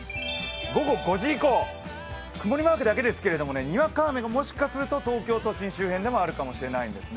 午後５時以降、曇りマークだけですけれどもにわか雨がもしかすると東京都心周辺でもあるかもしれないんです。